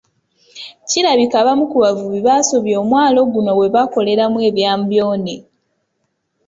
Kirabika abamu ku bavubi basobya omwalo guno bwe bakoleramu ebya mbyone.